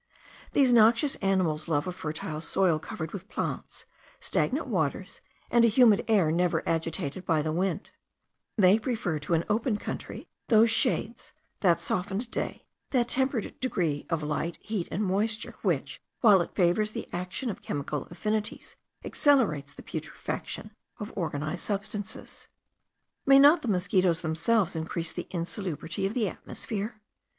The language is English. These noxious animals love a fertile soil covered with plants, stagnant waters, and a humid air never agitated by the wind; they prefer to an open country those shades, that softened day, that tempered degree of light, heat, and moisture which, while it favours the action of chemical affinities, accelerates the putrefaction of organised substances. May not the mosquitos themselves increase the insalubrity of the atmosphere?